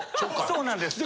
そうなんです。